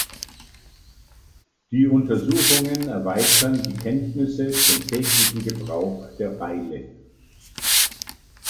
Die Untersuchungen erweitern die Kenntnisse zum täglichen Gebrauch der Beile.